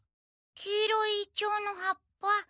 黄色いイチョウの葉っぱ。